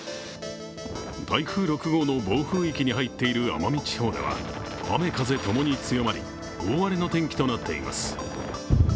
台風６号の暴風域に入っている奄美地方では雨風ともに強まり、大荒れの天気となっています。